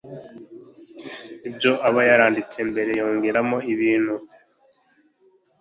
ibyo aba yaranditse mbere yongeramo ibintu.